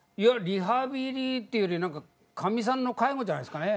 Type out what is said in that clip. リハビリっていうよりかみさんの介護じゃないっすかね。